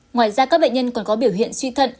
ngoài ra các bệnh nhân còn có biểu hiện suy thận